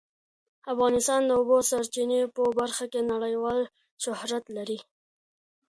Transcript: افغانستان د د اوبو سرچینې په برخه کې نړیوال شهرت لري.